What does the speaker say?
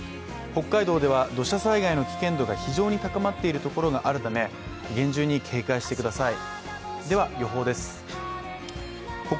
北海道では土砂災害の危険度が非常に高まっているところがあるため厳重に警戒してください。